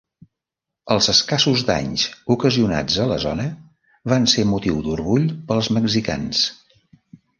Els escassos danys ocasionats a la zona van ser motiu d'orgull pels mexicans.